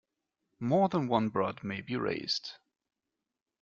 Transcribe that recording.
More than one brood may be raised.